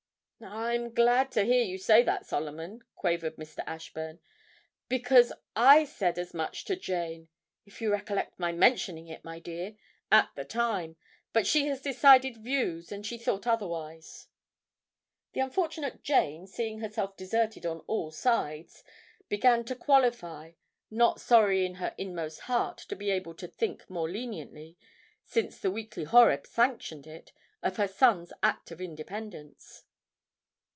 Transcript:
'I'm glad to hear you say that, Solomon,' quavered Mr. Ashburn; 'because I said as much to Jane (if you recollect my mentioning it, my dear?) at the time; but she has decided views, and she thought otherwise.' The unfortunate Jane, seeing herself deserted on all sides, began to qualify, not sorry in her inmost heart to be able to think more leniently, since the 'Weekly Horeb' sanctioned it, of her son's act of independence.